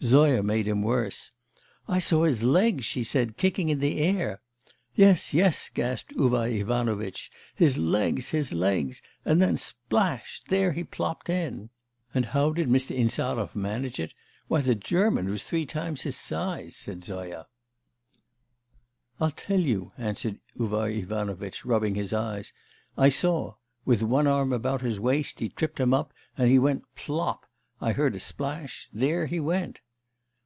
Zoya made him worse. 'I saw his legs,' she said, 'kicking in the air.' 'Yes, yes,' gasped Uvar Ivanovitch, 'his legs, his legs and then splash! there he plopped in!' 'And how did Mr. Insarov manage it? why the German was three times his size?' said Zoya. 'I'll tell you,' answered Uvar Ivanovitch, rubbing his eyes, 'I saw; with one arm about his waist, he tripped him up, and he went plop! I heard a splash there he went.